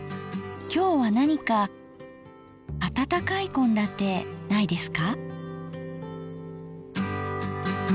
今日は何か温かい献立ないですか？